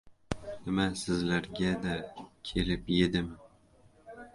— Nima sizlarga-da kelib edimi?